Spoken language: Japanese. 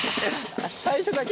最初だけ？